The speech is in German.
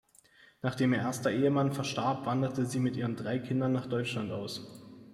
Nachdem ihr erster Ehemann verstarb, wanderte sie mit ihren drei Kindern nach Deutschland aus.